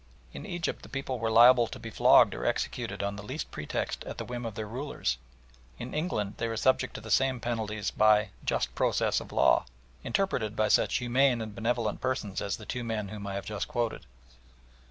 In Egypt the people were liable to be flogged or executed on the least pretext at the whim of their rulers; in England they were subject to the same penalties by "just process of law," interpreted by such humane and benevolent persons as the two men whom I have just quoted.